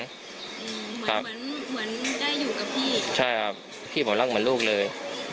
เหมือนได้อยู่กับพี่ใช่ครับพี่ผมรักเหมือนลูกเลย